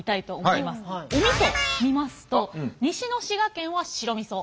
おみそ見ますと西の滋賀県は白みそ。